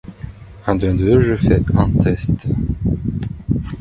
The most of the Ussuri flows between the border of China and Russia.